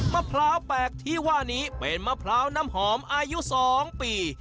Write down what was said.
มะพร้าวแปลกที่ว่านี้เป็นมะพร้าวน้ำหอมอายุ๒ปี